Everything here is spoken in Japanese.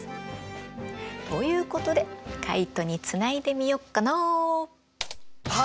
ということでカイトにつないでみよっかな。